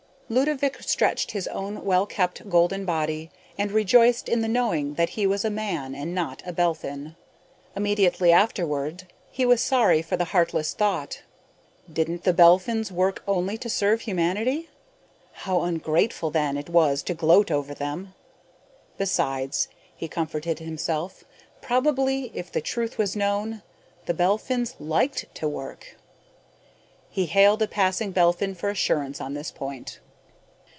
Ludovick stretched his own well kept golden body and rejoiced in the knowing that he was a man and not a Belphin. Immediately afterward, he was sorry for the heartless thought. Didn't the Belphins work only to serve humanity? How ungrateful, then, it was to gloat over them! Besides, he comforted himself, probably, if the truth were known, the Belphins liked to work. He hailed a passing Belphin for assurance on this point.